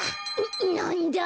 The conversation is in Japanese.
なんだ？